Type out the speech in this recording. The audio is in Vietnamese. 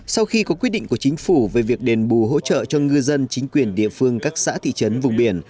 sau khi có quyết định của chính phủ về việc đền bù hỗ trợ cho ngư dân chính quyền địa phương các xã thị trấn vùng biển